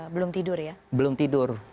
belum tidur ya belum tidur